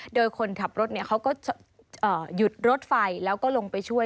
โดยคนขับรถเขาก็หยุดรถไฟแล้วก็ลงไปช่วย